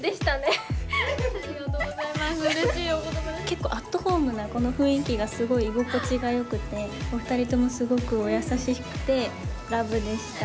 結構アットホームなこの雰囲気がすごい居心地がよくてお二人ともすごくお優しくてラブでした。